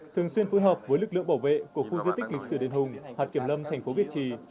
thường xuyên phối hợp với lực lượng bảo vệ của khu di tích lịch sử đền hùng hạt kiểm lâm thành phố việt trì